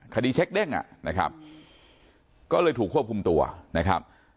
เช็คเด้งอ่ะนะครับก็เลยถูกควบคุมตัวนะครับ